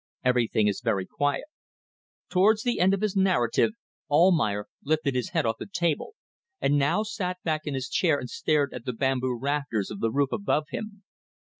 Everything is very quiet." Towards the end of his narrative Almayer lifted his head off the table, and now sat back in his chair and stared at the bamboo rafters of the roof above him.